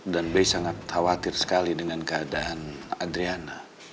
dan be sangat khawatir sekali dengan keadaan adriana